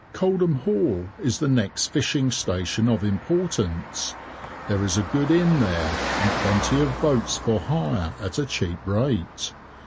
Coldham Hall is the next fishing station of importance. There is a good inn there, and plenty of boats for hire at a cheap rate.